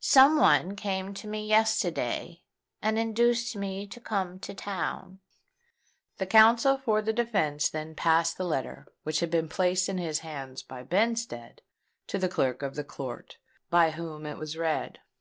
Some one came to me yesterday, and induced me to come to town." The counsel for the defence then passed the letter, which had been placed in his hands by Benstead, to the clerk of the court, by whom it was read.